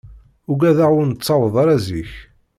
Ugadeɣ ur nettaweḍ ara zik.